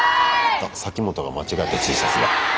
あサキモトが間違えたＴシャツだ。